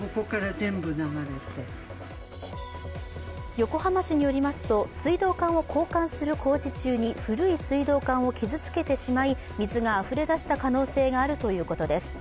横浜市によりますと、水道管を交換する工事中に古い水道管を傷つけてしまい、水があふれ出した可能性があるということです。